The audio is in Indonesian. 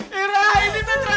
caranya sedih man hahaha